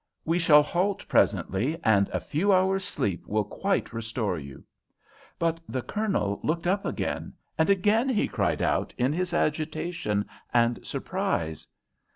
We shall halt presently, and a few hours' sleep will quite restore you." But the Colonel looked up again, and again he cried out in his agitation and surprise.